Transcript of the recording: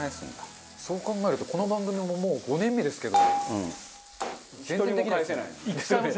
そう考えるとこの番組ももう５年目ですけど全然できないですね。